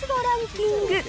ランキング。